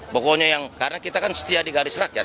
pokoknya yang karena kita kan setia di garis rakyat